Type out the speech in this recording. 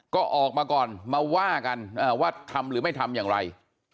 ก็ออกมาก่อนมาว่ากันว่าทำหรือไม่ทำอย่างไร